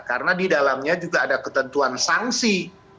karena di dalamnya juga ada ketentuan sanksi